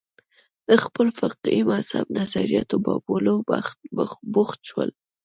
د خپل فقهي مذهب نظریاتو بابولو بوخت شول